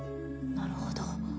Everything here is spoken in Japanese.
なるほど。